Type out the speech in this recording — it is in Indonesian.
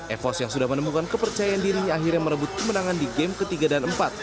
evos yang sudah menemukan kepercayaan dirinya akhirnya merebut kemenangan di game ketiga dan empat